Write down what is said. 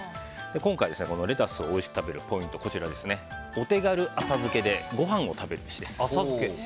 今回のレタスをおいしく食べるポイントはお手軽浅漬けでごはんを食べるべしです。